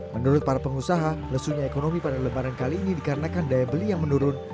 menurut para pengusaha lesunya ekonomi pada lebaran kali ini dikarenakan daya beli yang menurun